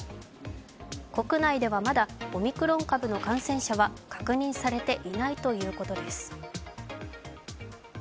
国内ではまだオミクロン株の感染者は確認されていないということです。